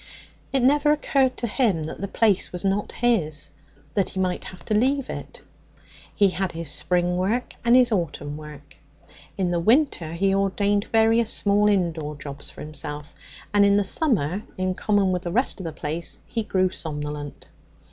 It never occurred to him that the place was not his, that he might have to leave it. He had his spring work and his autumn work; in the winter he ordained various small indoor jobs for himself; and in the summer, in common with the rest of the place, he grew somnolent.